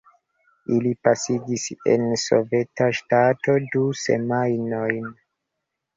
Ili pasigis en soveta ŝtato du semajnojn.